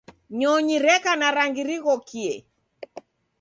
Nyonyi reka na rangi righokie.